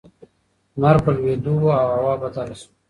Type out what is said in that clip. لمر په لوېدو و او هوا بدله شوه.